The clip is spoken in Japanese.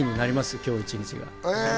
今日一日が。